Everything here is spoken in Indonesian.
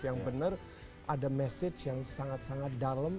yang benar ada message yang sangat sangat dalam